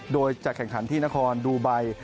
โดยจะแข่งขันที่นครดูไบ